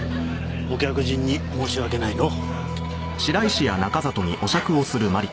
お客人に申し訳ないのう。